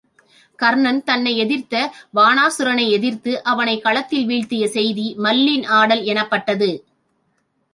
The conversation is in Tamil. கண்ணன் தன்னை எதிர்த்த வாணா சூரனை எதிர்த்து அவனைக் களத்தில் வீழ்த்திய செய்தி மல்லின் ஆடல் எனப்பட்டது.